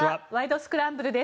スクランブル」です。